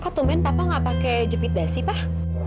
kok tumben papa nggak pakai jepit dasi pak